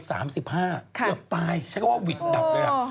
เสียบตายชักก็ว่าหวิดดับเลยครับ